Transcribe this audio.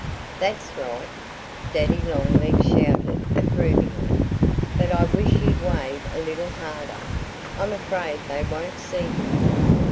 "That's right!" Daddy Longlegs shouted approvingly. "But I wish you'd wave a little harder. I'm afraid they won't see you."